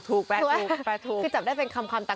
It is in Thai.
คือจับได้เป็นคำคำตัก